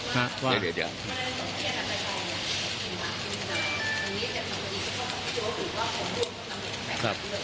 แต่ก็คืออย่างนี้ครับ